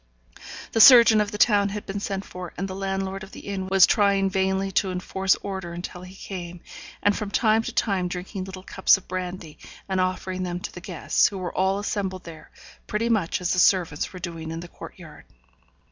The surgeon of the town had been sent for, and the landlord of the inn was trying vainly to enforce order until he came, and, from time to time, drinking little cups of brandy, and offering them to the guests, who were all assembled there, pretty much as the servants were doing in the court yard.